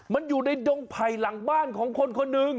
มันอยู่ในดงไผ่หลังบ้านของคนคนหนึ่ง